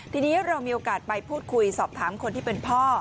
ทีนี้เรามีโอกาสไปพูดคุยสอบถามคนที่เป็นพ่อ